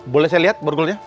boleh saya lihat borgolnya